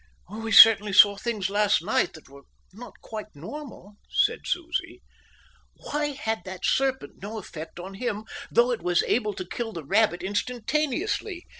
"We certainly saw things last night that were not quite normal," said Susie. "Why had that serpent no effect on him though it was able to kill the rabbit instantaneously?